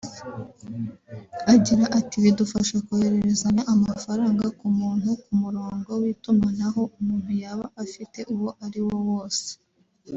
Agira ati “Bidufasha koherezanya amafaranga ku muntu ku murongo w’itumanaho umuntu yaba afite uwo ariwo wose